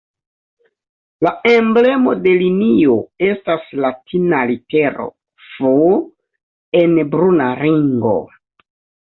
La emblemo de linio estas latina litero "F" en bruna ringo.